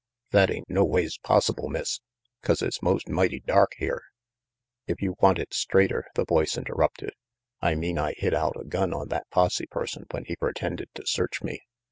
"That ain't noways possible, Miss, 'cause it's most mighty dark here RANGY PETE 113 "If you want it straighter," the voice interrupted, "I mean I hid out a gun on that posse person when he pretended to search me.